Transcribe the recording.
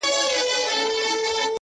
زما اوښکي د گنگا د سيند اوبه دې”